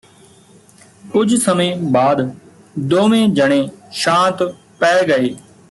ਕੁਝ ਸਮੇਂ ਬਾਅਦ ਦੋਵੇਂ ਜਣੇ ਸ਼ਾਂਤ ਪੈ ਗਏ